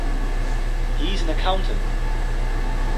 He is an accountant.